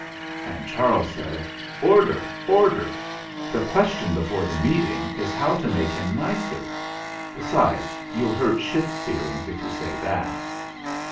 And Charles said: "Order! Order! The question before the meeting is how to make him nicer. Besides, you'll hurt Ship's feel ings if you say that."